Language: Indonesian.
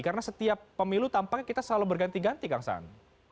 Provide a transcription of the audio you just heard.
karena setiap pemilu tampaknya kita selalu berganti ganti kang saan